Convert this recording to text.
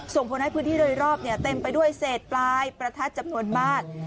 ส่งผลให้พื้นที่โดยรอบเต็มไปด้วยเศษปลายประทัดจำนวนมาก